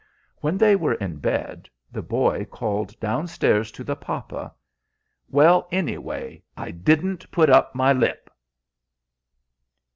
When they were in bed the boy called down stairs to the papa, "Well, anyway, I didn't put up my lip."